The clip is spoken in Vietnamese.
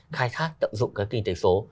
khai thác tậm dụng cái kinh tế số